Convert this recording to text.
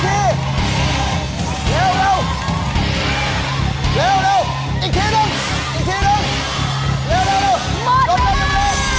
เร็วเร็วเร็วหมดแล้ว